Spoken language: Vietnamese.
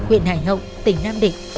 huyện hải hậu tỉnh nam định